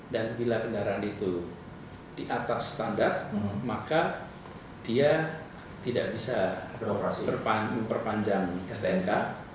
dan bila kendaraan itu di atas standar maka dia tidak bisa memperpanjang stnk